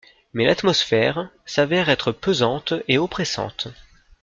Mais l'atmosphère s'avère être pesante et oppressante.